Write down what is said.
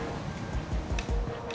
ibu pasti punya anak juga kan